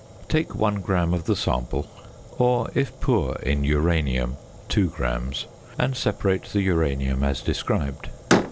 Take 1 gram of the sample (or, if poor in uranium, 2 grams) and separate the uranium as described.